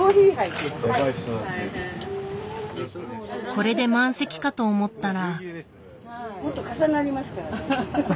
これで満席かと思ったら。